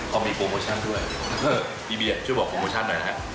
เขามีโปรโมชั่นด้วยอีเบียร์ช่วยบอกโปรโมชั่นหน่อยนะฮะ